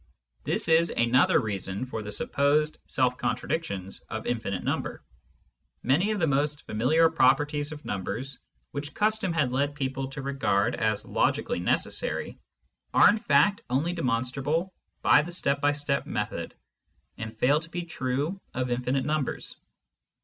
This is another reason for the supposed self contradictions of infinite number. Many of the most familiar properties of numbers, which custom had led people to regard as logically necessary, are in fact only Digitized by Google 198 SCIENTIFIC METHOD IN PHILOSOPHY demonstrable by the step by step method, and fail to be true of infinite numbers.